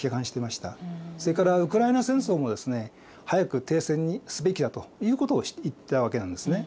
それからウクライナ戦争もですね早く停戦にすべきだということを言ってたわけなんですね。